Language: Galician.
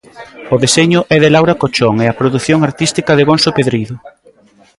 O deseño é de Laura Cochón e a produción artística de Gonso Pedrido.